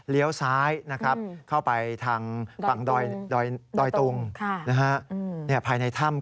ที่ได้เดินทาง